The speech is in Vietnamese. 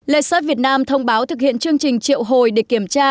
lexus việt nam thông báo thực hiện chương trình triệu hồi để kiểm tra